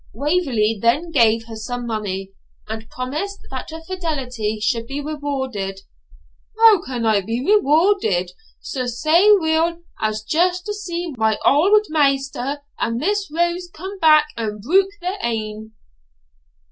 Waverley then gave her some money, and promised that her fidelity should be rewarded. 'How can I be rewarded, sir, sae weel as just to see my auld maister and Miss Rose come back and bruik their ain?'